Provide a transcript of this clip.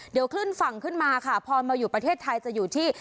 เดี๋ยวขึ้นฝั่งขึ้นมาค่ะพอมาอยู่ประเทศไทยจะอยู่ที่